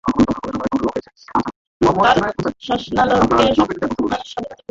তার শাসনামলে সব বিশ্বাসের মানুষ স্বাধীনতা ভোগ করে।